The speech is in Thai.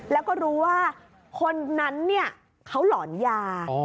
แล้วก็รู้ว่าคนนั้นเขาหล่อนยา